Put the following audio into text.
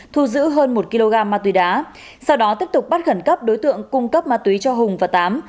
thu giữ hơn một kg ma túy đá sau đó tiếp tục bắt khẩn cấp đối tượng cung cấp ma túy cho hùng và tám